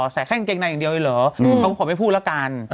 ใส่แค่กางเกงในอย่างเดียวเลยเหรอเขาก็ขอไม่พูดแล้วกัน